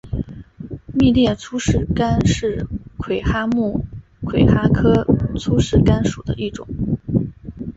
密肋粗饰蚶是魁蛤目魁蛤科粗饰蚶属的一种。